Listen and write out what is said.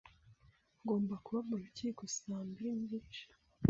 Ngomba kuba mu rukiko saa mbiri n'igice.